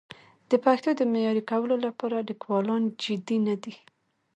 د پښتو د معیاري کولو لپاره لیکوالان جدي نه دي.